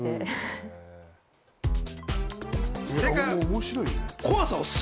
面白いね。